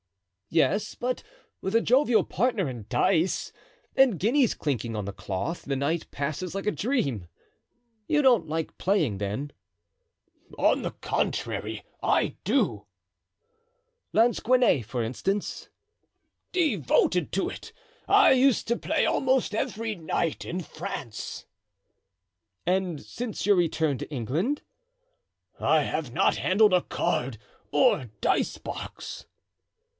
"Yes, but with a jovial partner and dice, and guineas clinking on the cloth, the night passes like a dream. You don't like playing, then?" "On the contrary, I do." "Lansquenet, for instance?" "Devoted to it. I used to play almost every night in France." "And since your return to England?" "I have not handled a card or dice box."